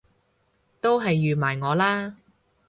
都係預埋我啦！